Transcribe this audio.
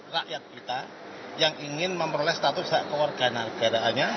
rakyat kita yang ingin memperoleh status hak kewarganegaraannya